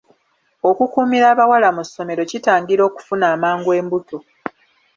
Okukuumira abawala mu ssomero kitangira okufuna amangu embuto